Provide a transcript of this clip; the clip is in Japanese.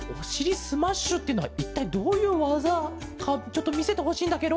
スマッシュっていうのはいったいどういうわざかちょっとみせてほしいんだケロ。